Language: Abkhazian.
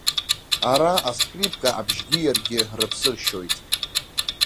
Ара аскрипка абжьгьы иаргьы рыԥсы ршьоит.